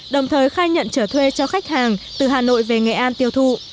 đồng thời khai nhận trở thuê cho khách hàng từ hà nội về nghệ an tiêu thụ